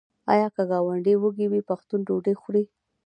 آیا که ګاونډی وږی وي پښتون ډوډۍ خوري؟